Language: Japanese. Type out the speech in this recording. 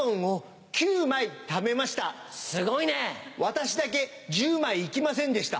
私だけ１０枚行きませんでした。